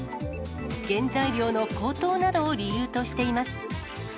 原材料の高騰などを理由としています。